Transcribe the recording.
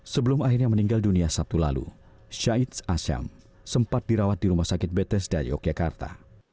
sebelum akhirnya meninggal dunia sabtu lalu syahid asyam sempat dirawat di rumah sakit betesda yogyakarta